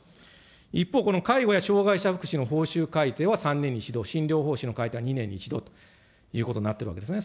一方、この介護や障害者福祉の報酬改定は３年に１度、診療報酬のは２年に１度ということになってるわけですね。